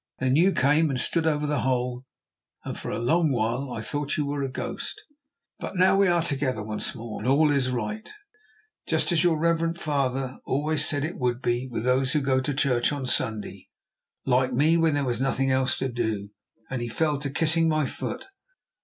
Then you came and stood over the hole, and for a long while I thought you were a ghost. "But now we are together once more and all is right, just as what your reverend father always said it would be with those who go to church on Sunday, like me when there was nothing else to do." And again he fell to kissing my foot.